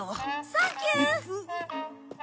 サンキュー！